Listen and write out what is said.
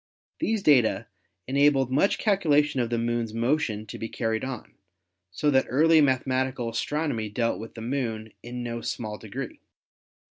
These data enabled much calculation of the Moon's motion to be car ried on, so that early mathematical astronomy dealt with the Moon in no small degree.